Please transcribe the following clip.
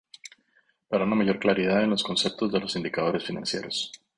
Para una mayor claridad en los conceptos de los indicadores financieros.